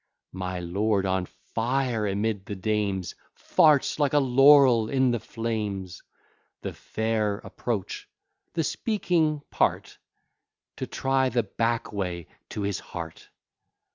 My lord, on fire amid the dames, F ts like a laurel in the flames. The fair approach the speaking part, To try the back way to his heart.